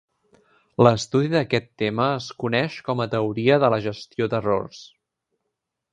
L'estudi d'aquest tema es coneix com a "Teoria de la gestió d'errors".